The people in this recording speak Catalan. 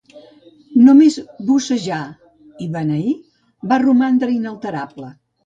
Només "bussejar" i "beneir" va romandre inalterable.